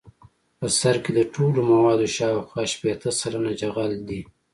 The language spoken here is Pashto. په سرک کې د ټولو موادو شاوخوا شپیته سلنه جغل دی